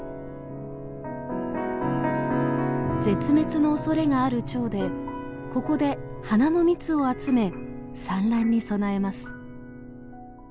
絶滅のおそれがあるチョウでここで花の蜜を集め産卵に備えます。